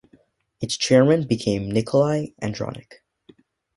Its chairman became Nicolae Andronic.